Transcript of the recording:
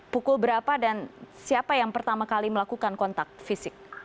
pukul berapa dan siapa yang pertama kali melakukan kontak fisik